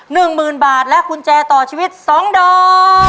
๑หมื่นบาทและคุณแจต่อชีวิต๒ดอก